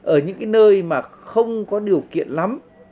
ở những cái nơi mà không có điều kiện lắm